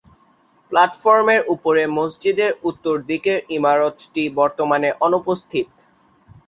প্লাটফর্মের উপরে মসজিদের উত্তরদিকের ইমারতটি বর্তমানে অনুপস্থিত।